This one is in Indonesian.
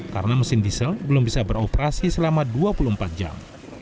karena mesin diesel belum bisa beroperasi selama dua puluh empat jam